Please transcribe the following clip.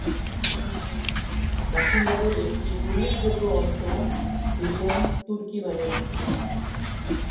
বাসিন্দাদের একটি উল্লেখযোগ্য অংশ সিরিয়ান তুর্কিমানিয়া।